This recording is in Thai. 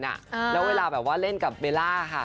แล้วเวลาเล่นกับเวลาค่ะ